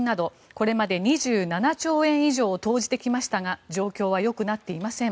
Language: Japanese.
これまで２７兆円以上を投じてきましたが状況はよくなっていません。